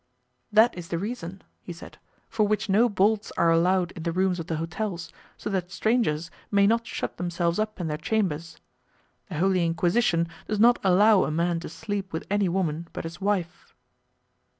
"That is the reason," he said, "for which no bolts are allowed in the rooms of the hotels, so that strangers may not shut themselves up in their chambers. The Holy Inquisition does not allow a man to sleep with any woman but his wife."